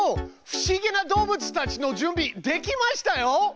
不思議な動物たちの準備できましたよ。